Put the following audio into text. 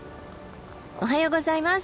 おはようございます。